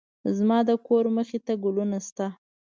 زما د کور مخې ته ګلونه شته